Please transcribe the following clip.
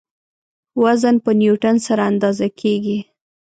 وزن په نیوټن سره اندازه کیږي.